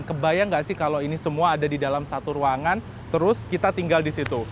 kebayang gak sih kalau ini semua ada di dalam satu ruangan terus kita tinggal di situ